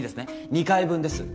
２階分です。